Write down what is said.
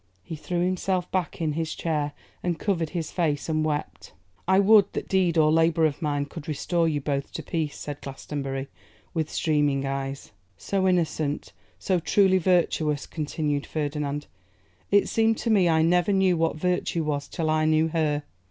He threw himself back in his chair, and covered his face and wept. 'I would that deed or labour of mine could restore you both to peace,' said Glastonbury, with streaming eyes. 'So innocent, so truly virtuous!' continued Ferdinand. 'It seemed to me I never knew what virtue was till I knew her.